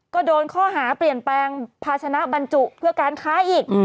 ก็โดนข้อหาเปลี่ยนแปลงภาชนะบรรจุเพื่อการค้าอีก